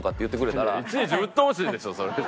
いちいちうっとうしいでしょそれ。